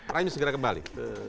rai segera kembali